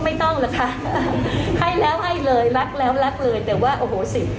ไม่ต้องหรอกค่ะให้แล้วให้เลยรักแล้วรักเลยแต่ว่าโอ้โหสิ